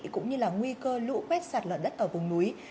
cũng như là nguy cơ lũ quét sạt lở đất ở vùng núi